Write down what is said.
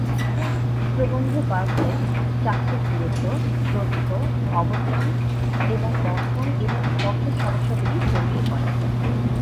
প্রবন্ধে বার্কলে চাক্ষুষ দূরত্ব, প্রস্থ, অবস্থান এবং দর্শন এবং স্পর্শের সমস্যাগুলি পরীক্ষা করে।